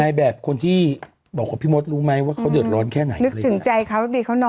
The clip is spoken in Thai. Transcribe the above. ในแบบคนที่บอกกับพี่มดรู้ไหมว่าเขาเดือดร้อนแค่ไหน